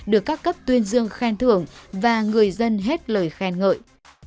được các cấp tuyên dương khen thưởng và người dân hết lời khen ngợi